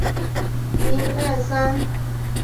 法翁伊什是葡萄牙波尔图区的一个堂区。